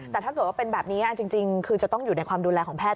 แต่ถ้าเกิดว่าเป็นแบบนี้จริงคือจะต้องอยู่ในความดูแลของแพท